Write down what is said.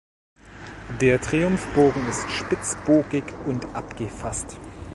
Der Triumphbogen ist spitzbogig und abgefast.